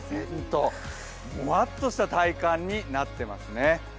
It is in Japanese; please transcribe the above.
もわっとした体感になってますね。